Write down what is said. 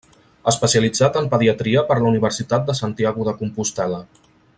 Especialitzat en pediatria per la Universitat de Santiago de Compostel·la.